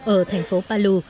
ở thành phố palu